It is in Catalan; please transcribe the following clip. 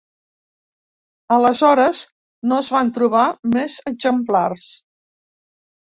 Aleshores no es van trobar més exemplars.